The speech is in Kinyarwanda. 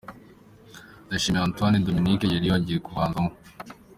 Ndayishimiye Antoine Dominique yari yongeye kubanzamo.